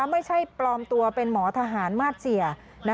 ไม่ใช่ปลอมตัวเป็นหมอทหารมาสเสีย